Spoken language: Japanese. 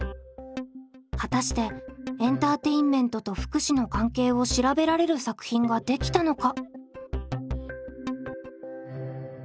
果たしてエンターテインメントと福祉の関係を調べられる作品ができたのか？